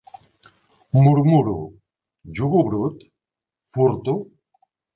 Murmuro: “jugo brut? furto?”...